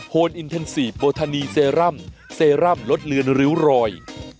นอินเทนซีฟโบทานีเซรั่มเซรั่มลดเลือนริ้วรอย